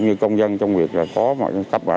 cũng như công dân trong việc là có cái cấp mã định danh